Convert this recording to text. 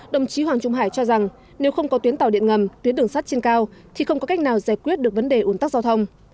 đồng chí hoàng trung hải cho rằng nếu không có tuyến tàu điện ngầm tuyến đường sắt trên cao thì không có cách nào giải quyết được vấn đề ủn tắc giao thông